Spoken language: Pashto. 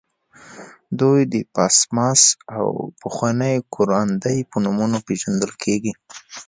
دوی د پامپاس او پخواني کوراندي په نومونو پېژندل کېدل.